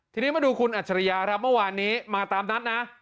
ทีนี้มาดูคุณอัจฉริยาครับเมื่อวานนี้มาตามนัดนะ